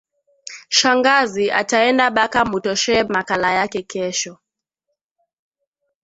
Shangazi ataenda baka mutosheye makala yake kesho